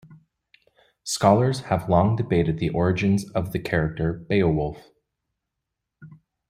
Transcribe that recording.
Scholars have long debated the origins of the character Beowulf.